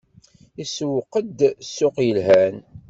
Isewweq-d ssuq yelhan.